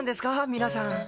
皆さん。